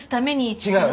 違う！